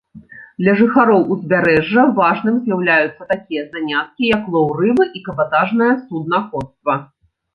Для жыхароў узбярэжжа важным з'яўляюцца такія заняткі як лоў рыбы і кабатажнае суднаходства.